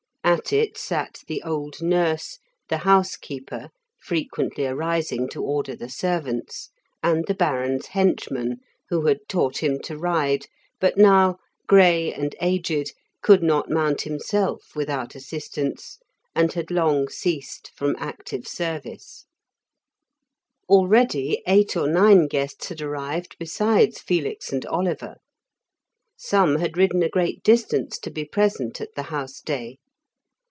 At it sat the old nurse, the housekeeper (frequently arising to order the servants), and the Baron's henchman, who had taught him to ride, but now, grey and aged, could not mount himself without assistance, and had long ceased from active service. Already eight or nine guests had arrived besides Felix and Oliver. Some had ridden a great distance to be present at the House Day.